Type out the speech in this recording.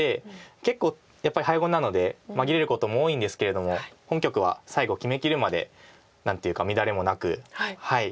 結構やっぱり早碁なので紛れることも多いんですけれども本局は最後決めきるまで何というか乱れもなく。